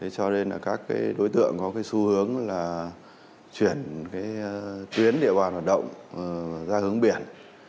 cho nên là các đối tượng có xu hướng là chuyển tuyến địa bàn hoạt động ra hướng biển